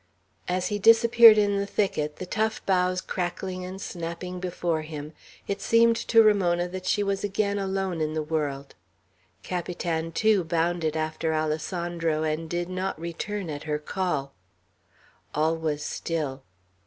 As he disappeared in the thicket, the tough boughs crackling and snapping before him, it seemed to Ramona that she was again alone in the world. Capitan, too, bounded after Alessandro, and did not return at her call. All was still.